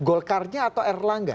golkarnya atau erlangga